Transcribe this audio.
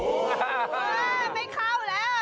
โอ้โหไม่เข้าแล้ว